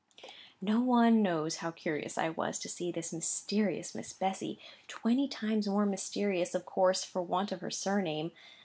No one knows how curious I was to see this mysterious Miss Bessy—twenty times more mysterious, of course, for want of her surname.